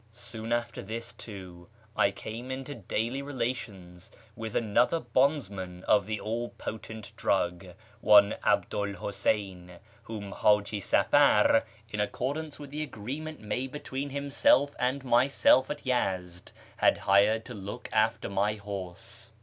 Soon after this, too, I came into daily relations with another bondsman of the all potent drug, one 'Alxlu '1 Iluseyn, whom Haji Safar, in accordance with the agreement made between himself and myself at Yezd, had hired to look after my horse.